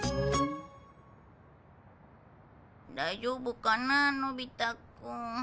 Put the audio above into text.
大丈夫かなのび太くん。